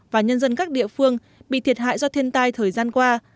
và nhân dân các địa phương bị thiệt hại do thiên tai thời gian qua